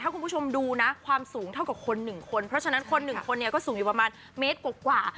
ถ้าคุณผู้ชมดูนะความสูงเท่ากับคน๑คนเพราะฉะนั้นคน๑คนนี้ก็สูงอยู่ประมาณเมตรกว่ากว่า